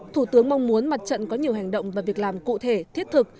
thủ tướng mong muốn mặt trận có nhiều hành động và việc làm cụ thể thiết thực